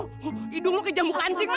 hidung lo kayak jambu kancing mak